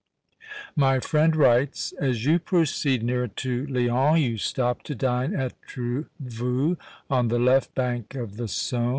My friend writes, "As you proceed nearer to Lyons you stop to dine at Trevoux, on the left bank of the Saone.